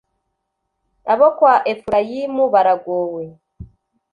abo kwa Efurayimu, Baragowe!